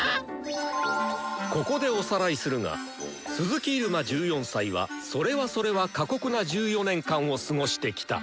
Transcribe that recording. ここでおさらいするが鈴木入間１４歳はそれはそれは過酷な１４年間を過ごしてきた。